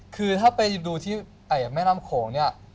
คือถ้าไปดูที่แม่น้ำโขงเนี่ย